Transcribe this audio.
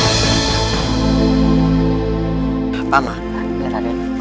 apa makna raden